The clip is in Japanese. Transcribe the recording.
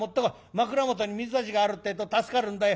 枕元に水差しがあるってえと助かるんだよ。